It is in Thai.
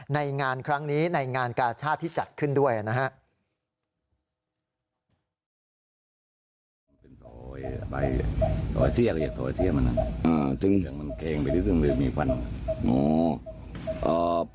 ในงานครั้งนี้ในงานกาชาติที่จัดขึ้นด้วยนะครับ